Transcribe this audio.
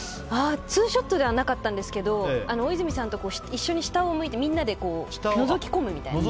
ツーショットではなかったんですけど大泉さんと一緒に下をみんなでのぞき込むみたいな。